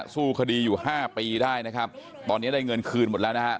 สู้คดีอยู่ห้าปีได้นะครับตอนนี้ได้เงินคืนหมดแล้วนะฮะ